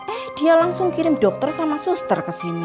eh dia langsung kirim dokter sama suster ke sini